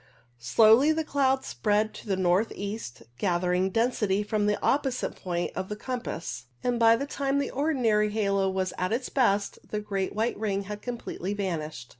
Slowly the cloud spread to the north east, gathering density from the opposite point of the compass ; and by the time the ordinary halo was at its best, the great white ring had completely vanished.